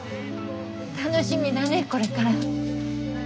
楽しみだねこれから。